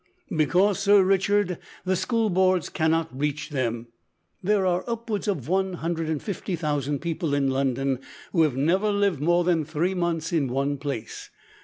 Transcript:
"Because, Sir Richard, the school boards cannot reach them. There are upwards of 150,000 people in London who have never lived more than three months in one place.